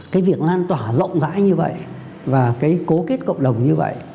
cái việc lan tỏa rộng rãi như vậy và cái cố kết cộng đồng như vậy